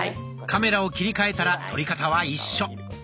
カメラを切り替えたら撮り方は一緒。